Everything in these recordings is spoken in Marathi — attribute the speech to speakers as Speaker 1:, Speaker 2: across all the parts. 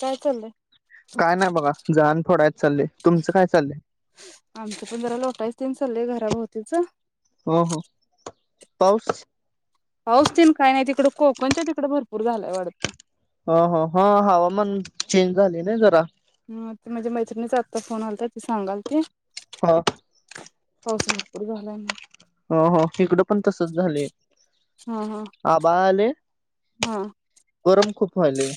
Speaker 1: काय चालंय?
Speaker 2: काय नाय बघा. जाळण फोडायच चालंय. तुमचं काय चालंय?
Speaker 1: आमच पण जरा लोटाय तेन चालय घराभोवतीच.
Speaker 2: हो हो. पाऊस?
Speaker 1: पाऊस तेन काय नाय. तिकडं कोकणच्या तिकडें भरपूर झालंय वाटतं.
Speaker 2: ह ह. हा हवामान चेंज झाले ना जरा.
Speaker 1: ह ते म्हणजे मैत्रिणीच आत्ता फोन आलता. ती सांगाल ती.
Speaker 2: ह.
Speaker 1: पाऊस भरपूर झालाय म
Speaker 2: हो हो. इकडं पण तसच झालंय.
Speaker 1: हा हा
Speaker 2: आभाळ आले.
Speaker 1: हा
Speaker 2: गरम खूप व्हायले.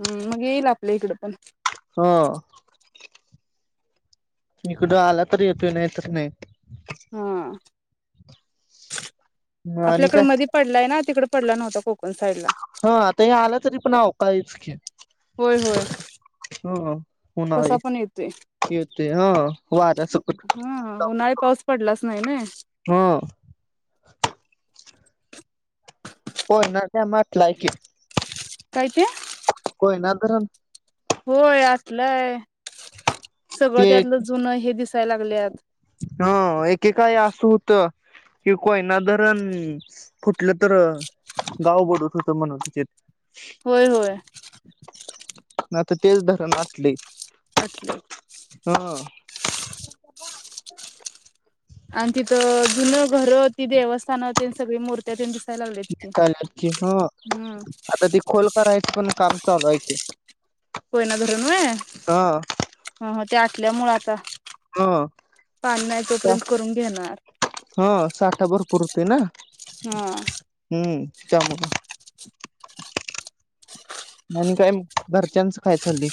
Speaker 1: हम्म, मग येईल आपल्या इकडं पण.
Speaker 2: ह. इकडं आला तर येतोय. नाही तर नाही.
Speaker 1: ह,
Speaker 2: नाही आणि
Speaker 1: आपल्याकड
Speaker 2: काय
Speaker 1: मधी पडलाय ना. तिकडे पडला नव्हता. कोकण साईड ला.
Speaker 2: ह, आता हे आला तरी पण अवकाळीच की.
Speaker 1: होय होय.
Speaker 2: हो
Speaker 1: कसा
Speaker 2: उन्हाळी.
Speaker 1: पण येतोय
Speaker 2: येतय ह. वाऱ्यासकट.
Speaker 1: हा उन्हाळी पाऊस पडलाच नाही ना
Speaker 2: [inaudible] ह. हो ना [unintelligible] म्हटलाय की,
Speaker 1: काय ते?
Speaker 2: कोयना धरण.
Speaker 1: होय. आतलंय सगळं
Speaker 2: ते
Speaker 1: त्यातलं जुनं हे दिसायला लागलेयात.
Speaker 2: हां. एकेकाळी अस होत. कि कोयना धरण फुटलं तर गाव बुडत होत म्हण. त-
Speaker 1: होय. होय.
Speaker 2: म आता तेच धरण आटलंय.
Speaker 1: आटलंय.
Speaker 2: हं.
Speaker 1: आणि तिथं जुने घर, ती देवस्थान तेन सगळी मूर्ती- त्या पण दिसायला लागल्यात की.
Speaker 2: चालची ह
Speaker 1: हम्म.
Speaker 2: आता ती खोल करायचं पण काम चालू आहे की.
Speaker 1: कोयना धरण होय? हं.
Speaker 2: हा
Speaker 1: हं. ते आटल्यामुळ आता.
Speaker 2: ह
Speaker 1: पाणी नाही तोपर्यंत करून घेणार.
Speaker 2: हां. साठा भरपूर होतोय ना?
Speaker 1: हां.
Speaker 2: हम्म. त्यामुळं. आणि काय नाही. घरच्यांच काय चाललंय?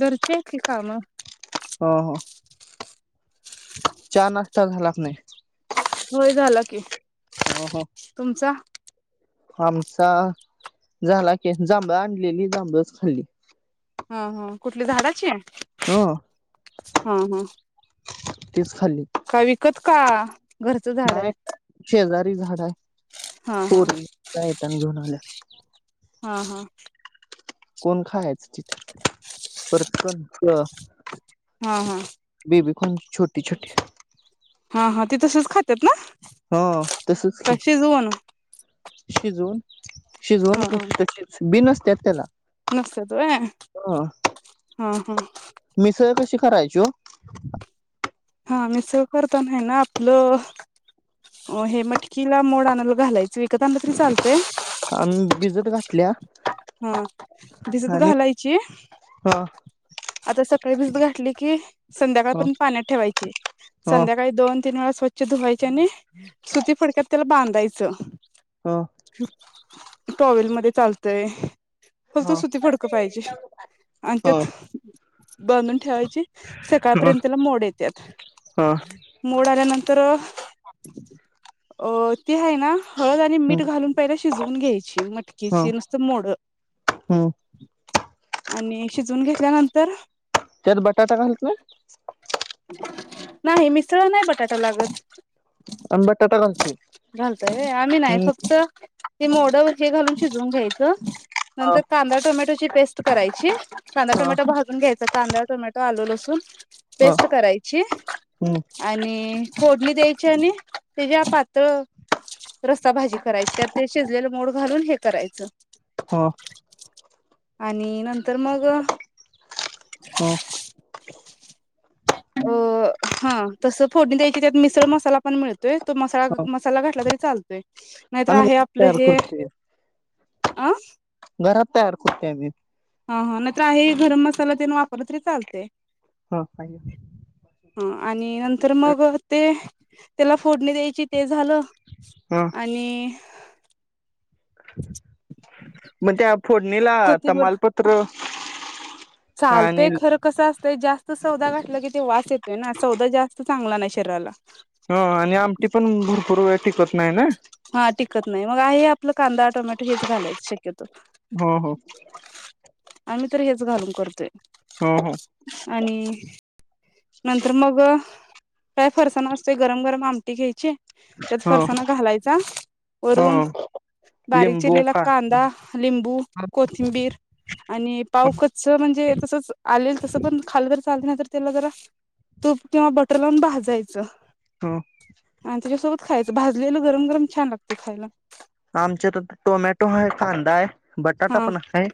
Speaker 1: घरची आहे की काम.
Speaker 2: हां. हां. चा नाश्ता झाला की नाही?
Speaker 1: होय. झाला की.
Speaker 2: हं. हं.
Speaker 1: तुमचा
Speaker 2: आमचा- झाला की. जांभळ आणलेली जांभळच खाल्ली.
Speaker 1: हा. हा. कुठली झाडाची?
Speaker 2: ह
Speaker 1: हां. हां.
Speaker 2: तीच खाल्ली.
Speaker 1: काय विकत का? घरचं झाड आहे
Speaker 2: नाय. शेजारी झाड आहे.
Speaker 1: हा हा
Speaker 2: पोरी येताना घेऊन आल्या.
Speaker 1: हां. हां.
Speaker 2: कोण खायाच चित्र? परत [unintelligible]
Speaker 1: हां. हां.
Speaker 2: बेबी कॉर्न छोटी छोटी.
Speaker 1: हां. हां. ते तसच खात्यात ना?
Speaker 2: हां. तसच
Speaker 1: का
Speaker 2: की
Speaker 1: शिजवून
Speaker 2: शिजवून? शिजवून
Speaker 1: हा हा
Speaker 2: [unintelligible] बी नसत्यात त्याला.
Speaker 1: नसतात होय.
Speaker 2: ह
Speaker 1: हां. हां.
Speaker 2: मिसळ कशी करायची ओ?
Speaker 1: हां. मिसळ करताना ए ना आपलं- अं हे मटकीला मोड आणाला घालायच. विकत आणलं तरी चालतंय.
Speaker 2: आम्ही भिजत घातल्या
Speaker 1: हं. भिजत
Speaker 2: आणि
Speaker 1: घालायची.
Speaker 2: ह
Speaker 1: आता सकाळी भिजत घातली की संध्याकाळ
Speaker 2: ह
Speaker 1: पर्यँत पाण्यात ठेवायची.
Speaker 2: ह
Speaker 1: संध्याकाळी दोन तीन वेळा स्वच्छ- धुवायची आणि सुती फडक्यात त्याला बांधायचं.
Speaker 2: हं.
Speaker 1: टॉवलमध्ये चालतय.
Speaker 2: ह
Speaker 1: फक्त
Speaker 2: ह
Speaker 1: सुती फडक पाहिजे आन त्यात बांधून ठेवायचे. सकाळ पर्यंतना मोड येत्यात.
Speaker 2: ह ह
Speaker 1: मोड आल्यानंतर अं ती हाय ना हळद आणि मिठ घालून पहिले शिजवून घ्यायची,
Speaker 2: ह
Speaker 1: मटकीची नुसती मोड.
Speaker 2: ह
Speaker 1: आणि शिजवून घेतल्यानंतर
Speaker 2: त्यात बटाटा घालत व्हय?
Speaker 1: नाही मिसळला नाही बटाटा लागत.
Speaker 2: आम्ही बटाटा घालतोय
Speaker 1: घलतोय रे आम्ही नाय
Speaker 2: हम्म
Speaker 1: फक्त ते मोड वर हे घालून शिजवून घ्यायचं
Speaker 2: ह
Speaker 1: नंतर कांदा, टोमॅटोची पेस्ट करायची कांदा-
Speaker 2: ह
Speaker 1: टोमॅटो भाजून घ्यायचा. कांदा, टोमॅटो, आल, लसून
Speaker 2: ह
Speaker 1: पेस्ट करायची
Speaker 2: हम्म
Speaker 1: आणि फोडणी द्यायची आणि त्या ज्या पातळ रस्सा भाजी करायची, त्यात ते शिजलेल मोड घालून हे करायचं.
Speaker 2: ह
Speaker 1: आणि नंतर मग
Speaker 2: हो.
Speaker 1: अं हं तसं फोडणी द्यायची, त्यात मिसळ मसाला पण मिळतोय. तो मसाळा-
Speaker 2: ह
Speaker 1: मसाला घातला तरी चालतोय, नाहीतर
Speaker 2: आम्ही
Speaker 1: आहे आपलं
Speaker 2: तयार
Speaker 1: हे
Speaker 2: करतोय
Speaker 1: आं?
Speaker 2: घरात तयार करतोय आम्ही.
Speaker 1: हं हं, नाहीतर हे गरम मसाला तेन वापरले तरी चालते.
Speaker 2: हो पाहिजे
Speaker 1: हं आणि नंतर मग ते त्याला फोडणी द्यायची ते झालं
Speaker 2: हा
Speaker 1: आणि
Speaker 2: मग त्या फोडणीला
Speaker 1: कोथिंबर
Speaker 2: तमालपत्र आणि
Speaker 1: चालतंय खरं, कसं असतंय जास्त सौदा घातलं की ते वास येतोय ना, सौदा जास्त चांगला नाही शरीराला.
Speaker 2: हं-हं, आणि आमटी पण भरपूर वेळा तिखट नाही ना?
Speaker 1: हा टिकत नाही, मग हे आपलं कांदा- टोमॅटो हेच घालायच शक्यतो.
Speaker 2: हो-हो.
Speaker 1: आम्ही तर हेच घालून करतोय,
Speaker 2: हो
Speaker 1: आणि नंतर मग काय फरसान असते गरम-गरम आमटी घ्यायचे त्यात
Speaker 2: हो
Speaker 1: फरसाणा घालायचा
Speaker 2: हो
Speaker 1: वरून
Speaker 2: हो
Speaker 1: बारीक
Speaker 2: लिंबू
Speaker 1: चिरलेला
Speaker 2: का
Speaker 1: कांदा, लिंबू, कोथिंबीर, आणि पाव कच्च म्हणजे तसच आलेल तसं पण खाल्लं तरी पण चालत नाही तर त्याला जरा तूप किंवा बटर लावून भाजायचं.
Speaker 2: हं.
Speaker 1: आन त्याच्यासोबत खायचं, भाजलेलं गरम-गरम छान लागते खायला.
Speaker 2: आमचे तर टोमॅटो हाय कांदा हाय बटाटा
Speaker 1: हा
Speaker 2: पण हाय,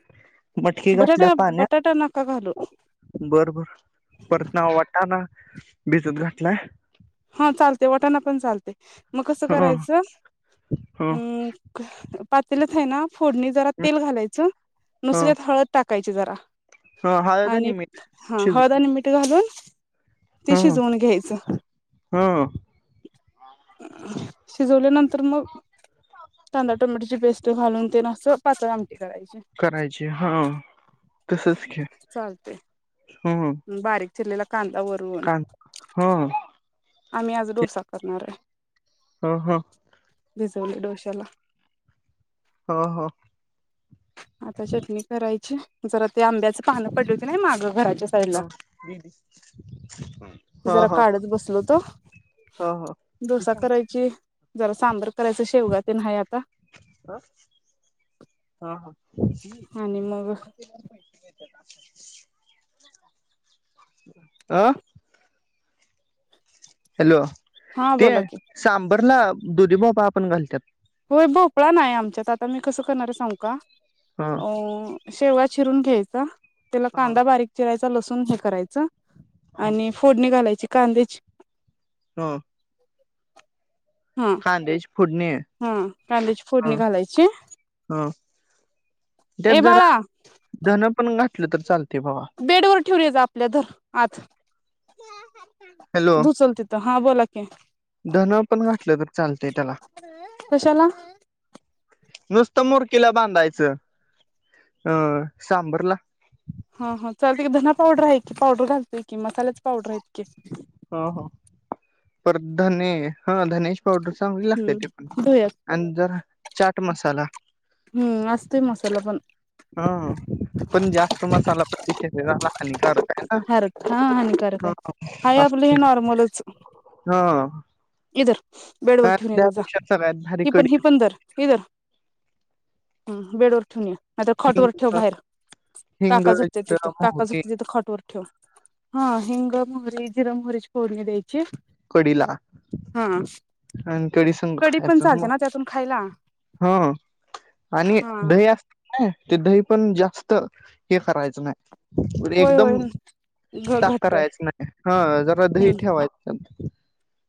Speaker 2: मटकी घातल्या
Speaker 1: बटाटा बटाटा नका घालू
Speaker 2: पाण्यात बरबर, परत ना वाटाना भिजूत घातलाय.
Speaker 1: हा चालते, वाटाणा पण चालते, मग कसं
Speaker 2: ह
Speaker 1: करायचं
Speaker 2: ह
Speaker 1: हम्म पातील्यात आहे ना फोडणी जरा तेल घालायचं
Speaker 2: ह
Speaker 1: दुसऱ्यात हळद टाकायची जरा
Speaker 2: ह हळद
Speaker 1: आणि
Speaker 2: मीठ
Speaker 1: हं
Speaker 2: शिजू
Speaker 1: हळद आणि मिठ ते घालून ते शिजवून घ्यायचं.
Speaker 2: हं.
Speaker 1: शिजवल्या नंतर मग कांदा, टोमॅटोची पेस्ट घालून ते नं आसं पातळ आमटी करायची.
Speaker 2: करायची, हां तसच की.
Speaker 1: चालतय.
Speaker 2: हम ह.
Speaker 1: बारीक चिरलेला कांदा वरून
Speaker 2: हं.
Speaker 1: आम्ही आज डोसा करणार हाय.
Speaker 2: हं हं.
Speaker 1: भिजवलय डोश्याला.
Speaker 2: हां हां.
Speaker 1: आता चटणी करायची, जरा ते आंब्याचं पानं पडली होती नाही मागं घराच्या साईडला
Speaker 2: ह
Speaker 1: ती
Speaker 2: हां
Speaker 1: जरा
Speaker 2: हां.
Speaker 1: काढत बसलो होतो डोसा करायची, जरा सांबर करायचं, शेवगा ते न हाय आता.
Speaker 2: ह हां हां.
Speaker 1: आणि मग
Speaker 2: आं? हॅलो.
Speaker 1: हा
Speaker 2: ते
Speaker 1: बोला की.
Speaker 2: सांबरला दुधीभोपळा पण घालत्यात.
Speaker 1: होय भोपळा नाही आमच्यात आता मी कसं करणार ये सांगू का?
Speaker 2: हां.
Speaker 1: अ शेवगा चिरून घ्यायचा, त्याला
Speaker 2: हा
Speaker 1: कांदा बारीक चिरायचा, लसूण हे कराय च
Speaker 2: हा
Speaker 1: आणि फोडणी घालायची कांद्याची.
Speaker 2: हं.
Speaker 1: हां.
Speaker 2: कांद्याची फोडणी?
Speaker 1: हं कांद्याची फोडणी घालायची
Speaker 2: हं
Speaker 1: ए
Speaker 2: त्यात जरा
Speaker 1: बाळा
Speaker 2: धन पण घातलं तर चालतय बघा. हॅलो
Speaker 1: हा बोला. की.
Speaker 2: धन पण घातल तर चालतय त्याला.
Speaker 1: कशाला
Speaker 2: नुसतं मुरकीला बांधायचं अ सांभरला.
Speaker 1: हं हं चालतय की धना पावडर आहे की, पावडर घालतोय की, मसाल्याच पावडर आहेत की.
Speaker 2: हं हं, परत धने हा धन्याची पावडर चांगली लागत्या ते पण,
Speaker 1: हम्म धुयात
Speaker 2: आणि जरा चाट मसाला
Speaker 1: हम्म असतय मसाला पण.
Speaker 2: हं, पण जास्त मसाला पण शरीराला हानिकारक आहे ना.
Speaker 1: हरक हा हानिकारक
Speaker 2: हा.
Speaker 1: हाय, हाय
Speaker 2: अस
Speaker 1: आपलं हे नॉर्मलच
Speaker 2: हा
Speaker 1: हे धर बेड वर
Speaker 2: काय
Speaker 1: ठेऊन ये जा जा,
Speaker 2: त्यापेक्षा सगळ्यात भारी
Speaker 1: हे पण
Speaker 2: कडी
Speaker 1: हे पण धर हे धर हां बेडवर ठेवून ये नाहीतर
Speaker 2: हिंग
Speaker 1: खाटवर ठेव बाहेर,
Speaker 2: हिंग,
Speaker 1: काका झोपतेत तिथं
Speaker 2: जिरं,
Speaker 1: काका
Speaker 2: मोहरी
Speaker 1: झोपतेत तिथं खाट वर. ठेव, हां हिंग, मोहरी, जिर मोहरीची फोडणी द्यायची
Speaker 2: कडीला
Speaker 1: हा
Speaker 2: आणि कडी संग
Speaker 1: पण
Speaker 2: खायच
Speaker 1: चालते
Speaker 2: मग,
Speaker 1: ना त्यातून खायला
Speaker 2: हं. आणि
Speaker 1: हा
Speaker 2: दही असत कणी ते दही पण जास्त हे करायचं नाही
Speaker 1: होय होय
Speaker 2: एकदम
Speaker 1: घ
Speaker 2: ताक
Speaker 1: घट्ट
Speaker 2: करायचं नाही, हा जरा दही
Speaker 1: हम्म
Speaker 2: ठेवायचं.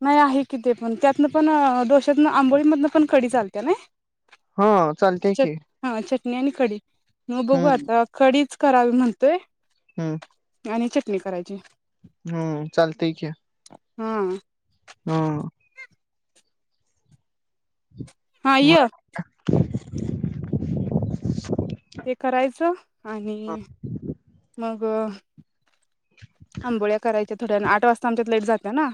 Speaker 1: नाही आहे कि ते पण त्यातनं पण डोश्यातनं आंबोळीमधनं पण कडी चालते नय.
Speaker 2: हा चालतेय की..
Speaker 1: हा चटणी आणि कडी म बघू
Speaker 2: हम्म
Speaker 1: आता कडीच करावी म्हणतोय.
Speaker 2: हम्म.
Speaker 1: आणि चटणी करायची.
Speaker 2: हम्म चालते कीय.
Speaker 1: हां.
Speaker 2: हां.
Speaker 1: हा
Speaker 2: म.
Speaker 1: य
Speaker 2: [inaudible]
Speaker 1: ते करायचं आणि मग आंबोळ्या कराच्या थोड्याने आठ वाजता आमच्यात लाईट जाते ना.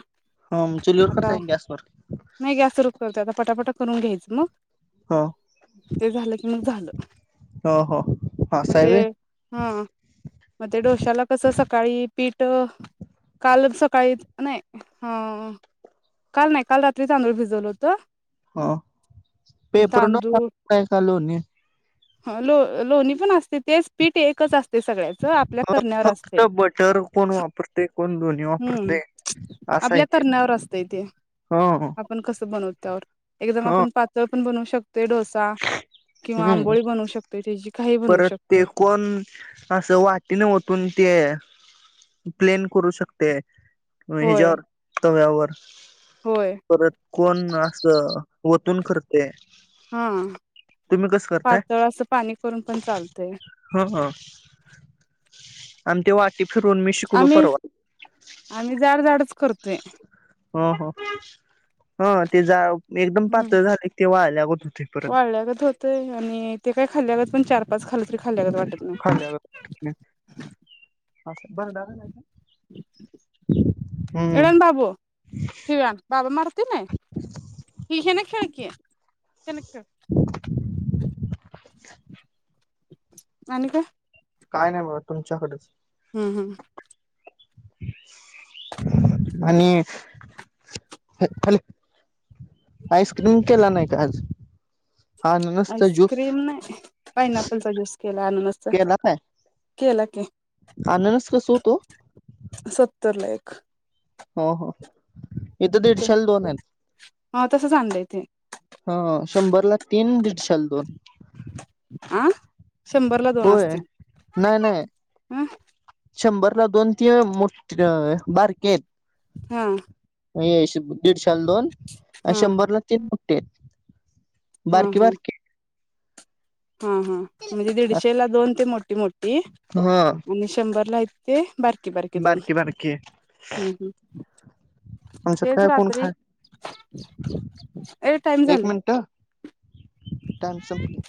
Speaker 2: हा मंग चुलीवर
Speaker 1: आता
Speaker 2: करताय की गॅसवर?
Speaker 1: नाही गॅस वर करते आता फटाफट करून घ्यायचं मग
Speaker 2: हो
Speaker 1: ते झालं की मग झालं
Speaker 2: हो हो हा
Speaker 1: म ते
Speaker 2: साहेब
Speaker 1: हा म ते डोश्याला कसं सकाळी पीठ कालच सकाळीत नाही हां. काल नाही काल रात्री तांदूळ भिजवलं होतं
Speaker 2: हा पेपर [inaudible] का लोणी?
Speaker 1: हा लो लोणी पण असते तेच पीठ एकच असते सगळ्याचं आ
Speaker 2: [unintelligible] फक्त बटर कोण वापरते कोण दोन्ही
Speaker 1: हम्म
Speaker 2: वापरते असा हाय
Speaker 1: आपल्या
Speaker 2: इथे हा.
Speaker 1: पण कसं बनवत्या वर एकदम आपण पातळ पण बनवू शक ते डोसा किंवा
Speaker 2: हम्म
Speaker 1: आंबोळी बनवू शकतोय तेजी काही बनवू
Speaker 2: परत ते
Speaker 1: शकते.
Speaker 2: कोण असं वाटीने ओतून ते प्लेन करू शकते म
Speaker 1: होय
Speaker 2: हेज्यावर तव्यावर.
Speaker 1: होय
Speaker 2: परत कोण असं ओतून करते.
Speaker 1: हा
Speaker 2: तुम्ही कसं करताय
Speaker 1: पातळ असं पाणी करून पण चालतंय.
Speaker 2: हा आणि ते वाटी फिरून मी शिकलो
Speaker 1: आम्ही
Speaker 2: परवा.
Speaker 1: आम्ही जाडजाडच करतोय.
Speaker 2: हा हा हा ते जा एकदम पातळ झाले ते वाळायला लागत होते परत.
Speaker 1: ल्यागत हो तय आणि ते काय खाल्यागत पण चार पाच खाल्लं तरी खाल्ल्यागत वाटत नाही
Speaker 2: खाल्यागत [unintelligible] असं. [inaudible] हम्म
Speaker 1: इकडं आण बाबू ठेवी आण. बाबा मारते नाय हिशेने खेळ कि [unintelligible] खेळ. आणि काय
Speaker 2: काय नाही बाबा तुमच्याकडेच.
Speaker 1: हम्म हम्म.
Speaker 2: [unintelligible] आणिये. [unintelligible] आईस्क्रीम केला नाही का आज? अननसचा ज्यूस
Speaker 1: आईस्क्रीम नाही पाइनापलचा ऍपलचा जूस केला अननसचा. केलं की.
Speaker 2: आननस कसं होतं, ओ?
Speaker 1: सत्तरला एक.
Speaker 2: हो हो, इथं दीडशाला दोन आहेत.
Speaker 1: सांगले ते.
Speaker 2: हा, शंभरला तीन, दीडशाला दोन.
Speaker 1: आ, शंभरला दोन
Speaker 2: होय
Speaker 1: असतील
Speaker 2: नाही नाही
Speaker 1: हं.
Speaker 2: शंभरला दोन तेय मोठ बारके आहेत.
Speaker 1: हां.
Speaker 2: ए श, दीडशाला दोन अ,
Speaker 1: हा
Speaker 2: शंभरला तीन पुटे. बारकी
Speaker 1: हा
Speaker 2: बारकी.
Speaker 1: हा हा, म्हणजे दीडशे ला दोन ते मोठी मोठी.
Speaker 2: हा.
Speaker 1: आणि शंभरला आहेत ते बारकी बारकी दोन, हम्म ह.
Speaker 2: आमच्यात
Speaker 1: तेच
Speaker 2: काय कोण
Speaker 1: रात्री
Speaker 2: खात
Speaker 1: ए टाइम झाले.
Speaker 2: टाईम संपले.